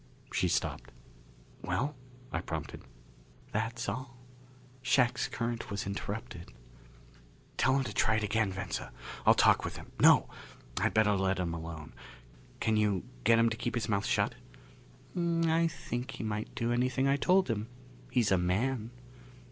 She stopped. "Well?" I prompted. "That's all. Shac's current was interrupted." "Tell him to try it again, Venza! I'll talk with him. No! I'd better let him alone. Can you get him to keep his mouth shut?" "I think he might do anything I told him. He's a man!"